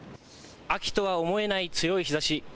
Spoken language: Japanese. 秋とは思えない強い日ざし。